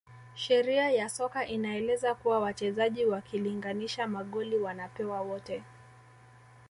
sheria ya soka inaeleza kuwa wachezaji wakilinganisha magoli wanapewa wote